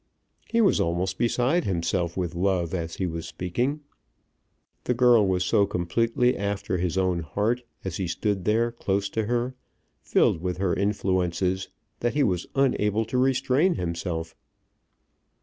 He was almost beside himself with love as he was speaking. The girl was so completely after his own heart as he stood there close to her, filled with her influences, that he was unable to restrain himself.